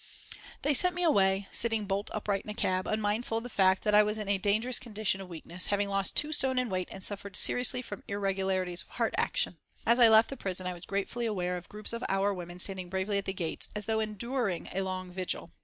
They sent me away, sitting bolt upright in a cab, unmindful of the fact that I was in a dangerous condition of weakness, having lost two stone in weight and suffered seriously from irregularities of heart action. As I left the prison I was gratefully aware of groups of our women standing bravely at the gates, as though enduring a long vigil.